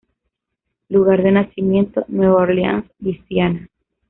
Lugar de Nacimiento: Nueva Orleans, Louisiana.